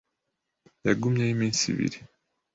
Yagumyeyo iminsi ibiri.